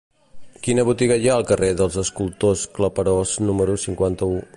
Quina botiga hi ha al carrer dels Escultors Claperós número cinquanta-u?